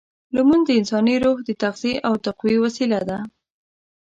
لمونځ د انساني روح د تغذیې او تقویې وسیله ده.